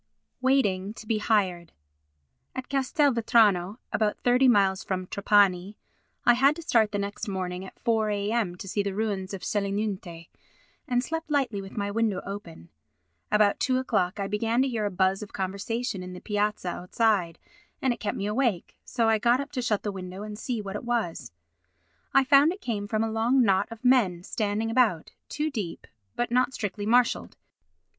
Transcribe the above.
Waiting to be Hired At Castelvetrano (about thirty miles from Trapani) I had to start the next morning at 4 a.m. to see the ruins of Selinunte, and slept lightly with my window open. About two o'clock I began to hear a buzz of conversation in the piazza outside and it kept me awake, so I got up to shut the window and see what it was. I found it came from a long knot of men standing about, two deep, but not strictly marshalled.